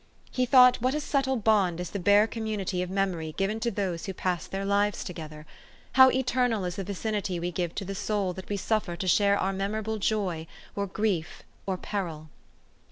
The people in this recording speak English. He thought what a subtle bond is the bare community of memory given to those who pass their lives together ; how eternal is the vicinity we give to the soul that we suffer to share our memo rable joy or grief or peril.